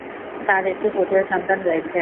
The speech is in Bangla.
তার একটি পুত্র সন্তান রয়েছে।